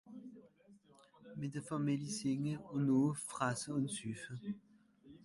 mìt de Fàmili sìnge ùn no frasse ùn süffe